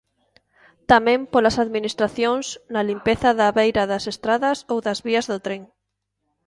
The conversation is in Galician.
Tamén polas Administracións, na limpeza da beira das estradas ou das vías do tren.